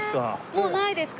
もうないですか？